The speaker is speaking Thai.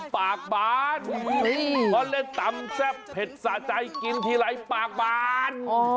ปากบานเพราะเล่นตำแซ่บเผ็ดสะใจกินทีไรปากบาน